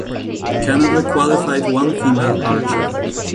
Canada qualified one female archer.